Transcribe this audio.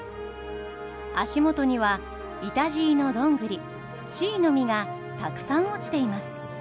足元にはイタジイのどんぐりシイの実がたくさん落ちています。